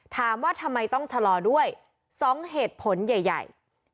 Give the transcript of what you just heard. ถามว่าทำไมต้องชะลอด้วย๒เหตุผลใหญ่